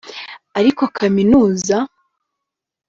ariko kaminuza